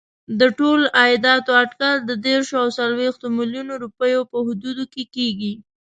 د ټولو عایداتو اټکل د دېرشو او څلوېښتو میلیونو روپیو په حدودو کې کېږي.